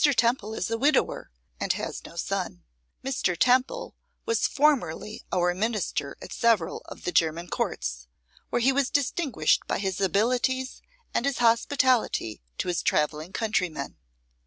Temple is a widower, and has no son. Mr. Temple was formerly our minister at several of the German Courts, where he was distinguished by his abilities and his hospitality to his travelling countrymen.